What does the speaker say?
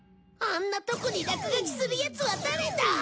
あんなとこに落書きするやつは誰だ？